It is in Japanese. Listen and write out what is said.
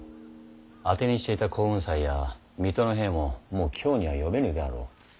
当てにしていた耕雲斎や水戸の兵ももう京には呼べぬであろう。